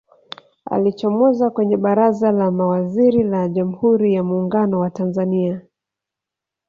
alichomoza kwenye baraza la mawaziri la jamhuri ya muungano wa tanzania